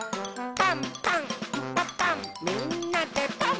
「パンパンんパパンみんなでパン！」